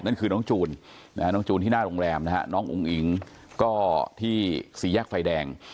นั่นคือน้องจูนน้องจูนที่หน้าโรงแรมนะฮะน้องอุ๋งอิ๋งก็ที่สี่แยกไฟแดง